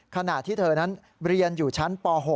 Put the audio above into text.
ขณะที่เธอนั้นเรียนอยู่ชั้นป๖